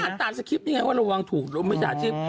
ฉันอ่านตามสคริปต์นี่ไงว่าเราวางถูกเราไม่สาธิบท์